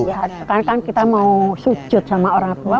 karena kan kita mau sujud sama orang tua